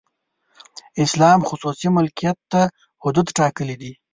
اسلام خصوصي ملکیت ته حدود ټاکلي دي.